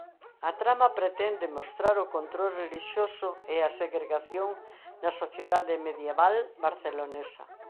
A trama pretende mostrar o control relixioso e a segregación na sociedade medieval barcelonesa.